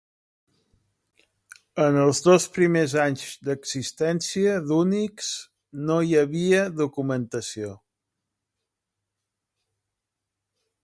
En els dos primers anys d'existència d'Unix no hi havia documentació.